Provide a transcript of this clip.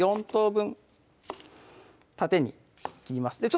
４等分縦に切ります